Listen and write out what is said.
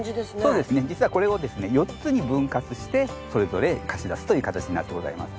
そうですね実はこれをですね４つに分割してそれぞれ貸し出すという形になってございます。